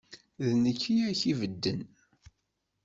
D nekk i ak-ibedden.